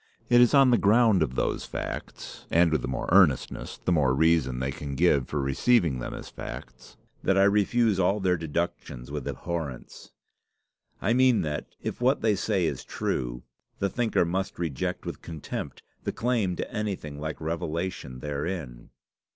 It is on the ground of those facts, and with the more earnestness the more reason they can give for receiving them as facts, that I refuse all their deductions with abhorrence. I mean that, if what they say is true, the thinker must reject with contempt the claim to anything like revelation therein."